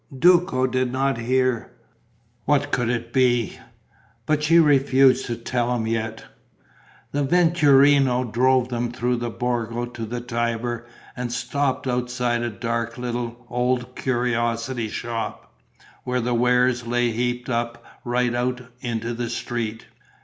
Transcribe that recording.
Duco did not hear. What could it be? But she refused to tell him yet. The vetturino drove them through the Borgo to the Tiber and stopped outside a dark little old curiosity shop, where the wares lay heaped up right out into the street.